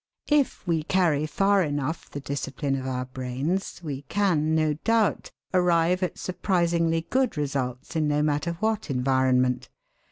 If we carry far enough the discipline of our brains, we can, no doubt, arrive at surprisingly good results in no matter what environment.